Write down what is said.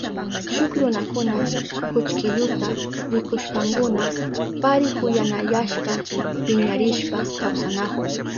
Shuk runakuna kullkiyuta rikushpankuna parihuyanayashpa piñarishpa kawsanahun.